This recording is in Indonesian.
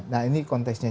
nah ini konteksnya